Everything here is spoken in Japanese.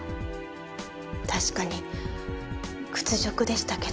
確かに屈辱でしたけど。